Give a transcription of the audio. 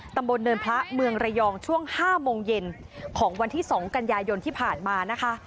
ตำบลเนินพระเมืองระยองช่วง๕โมงเย็นของวันที่๒กันยายนที่ผ่านมานะคะ